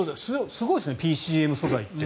すごいですね、ＰＣＭ素材って。